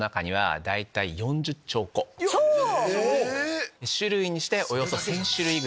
兆⁉種類にしておよそ１０００種類。